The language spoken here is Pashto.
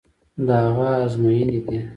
د هغه ازموینې دي.